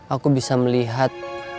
aku bisa melihat